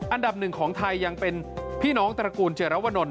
อันดับหนึ่งของไทยยังเป็นพี่น้องตระกูลเจรวนล